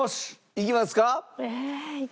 いきますか？